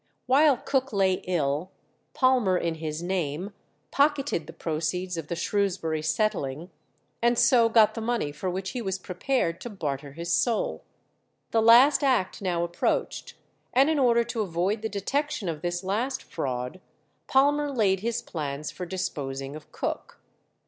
While Cook lay ill, Palmer in his name pocketed the proceeds of the Shrewsbury settling, and so got the money for which he was prepared to barter his soul. The last act now approached, and in order to avoid the detection of this last fraud, Palmer laid his plans for disposing of Cook.